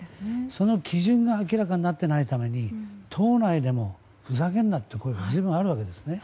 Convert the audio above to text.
その基準が明らかになっていないために党内でもふざけんなという声が随分あるわけですね。